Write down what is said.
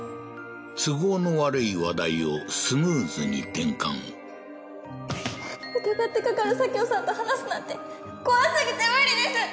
都合の悪い話題をスムーズに転換疑ってかかる佐京さんと話すなんて怖すぎて無理です！